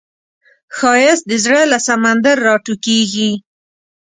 ښایست د زړه له سمندر راټوکېږي